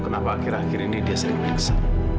kenapa akhir akhir ini dia sering meriksa